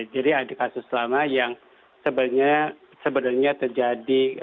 jadi ada kasus lama yang sebenarnya terjadi